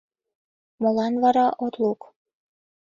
Молан вара от лук?